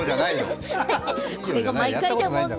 これが毎回だもんね。